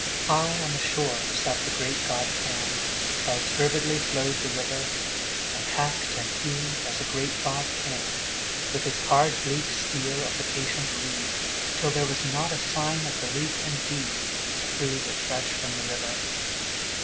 High on the shore sat the great god Pan While turbidly flowed the river; And hacked and hewed as a great god can, With his hard bleak steel at the patient reed, Till there was not a sign of the leaf indeed To prove it fresh from the river.